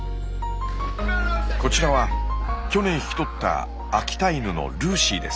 こちらは去年引き取った秋田犬のルーシーです。